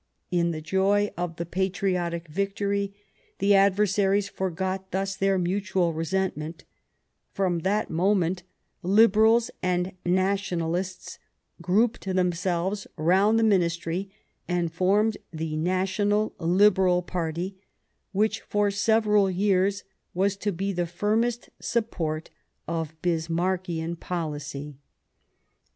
In the joy of the patriotic victory the adversaries forgot thus their mutual resentment ; from that moment Liberals and Nationalists grouped them selves round the Ministry, and formed the National Liberal party, which, for several years, was to be the firmest support of Bismarckian policy.